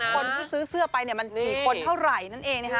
สิ่งว่าคนที่ซื้อเสื้อไปมัน๔คนเท่าไหร่นั่นเองนะครับ